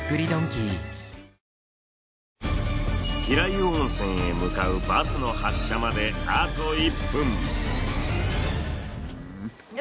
平湯温泉へ向かうバスの発車まであと１分。